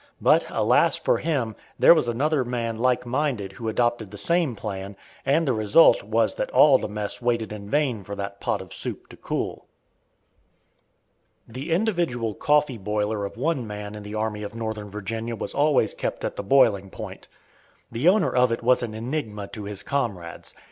But, alas! for him, there was another man like minded who adopted the same plan, and the result was that all the mess waited in vain for that pot of soup to cool. The individual coffee boiler of one man in the Army of Northern Virginia was always kept at the boiling point. The owner of it was an enigma to his comrades.